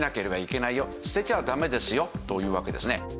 捨てちゃダメですよというわけですね。